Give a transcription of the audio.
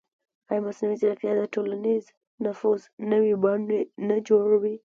ایا مصنوعي ځیرکتیا د ټولنیز نفوذ نوې بڼې نه جوړوي؟